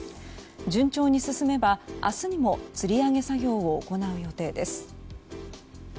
順調に進めば明日にもつり上げ作業を行う予定です。